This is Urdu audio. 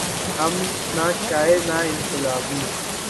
ہم نہ شاعر نہ انقلابی۔